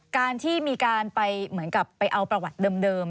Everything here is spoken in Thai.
การที่มีการไปเหมือนกับไปเอาประวัติเดิม